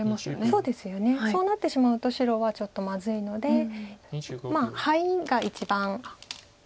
そうですよねそうなってしまうと白はちょっとまずいのでハイが一番。